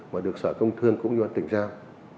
mà được sở công thương cũng như là tỉnh giao